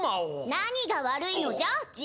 何が悪いのじゃ爺！